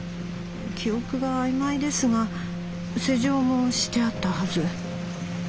記憶があいまいですが施錠もしてあったはず。